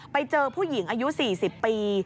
ไปเจอผู้หญิงอายุ๔๐ปี